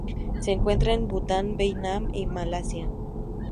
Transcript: Se encuentra en Bután, Vietnam y Malasia.